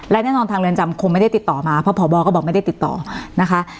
และแน่นอนทางเรือนจำคงไม่ได้ติดต่อมาเพราะพบก็บอกไม่ได้ติดต่อนะคะ